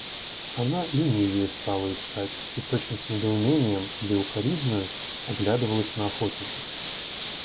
Она ленивее стала искать и точно с недоумением или укоризною оглядывалась на охотников.